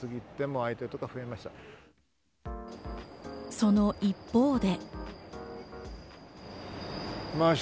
その一方で。